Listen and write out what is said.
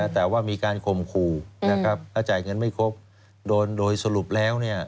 แต่ว่ามีการข่มขู่นะครับถ้าจ่ายเงินไม่ครบโดยสรุปแล้ว